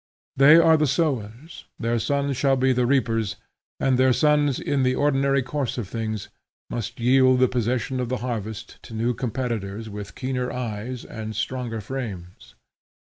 They are the sowers, their sons shall be the reapers, and their sons, in the ordinary course of things, must yield the possession of the harvest to new competitors with keener eyes and stronger frames.